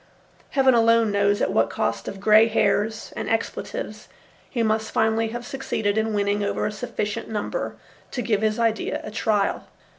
Heaven alone knows at what cost of grey hairs and expletives he must finally have succeeded in winning over a sufficient number to give his idea a trial.